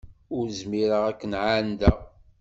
Ur zmireɣ ad k-ɛandeɣ.